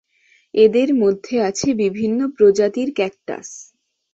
এদের মধ্যে আছে বিভিন্ন প্রজাতির ক্যাকটাস।